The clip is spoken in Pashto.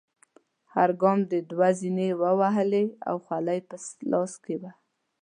هر ګام دې دوه زینې وهلې او خولۍ په لاس کې وه.